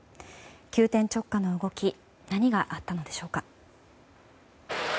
急転直下の動き何があったのでしょうか。